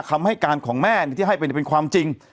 คำให้การของแม่ที่ให้ไปเป็นความจริง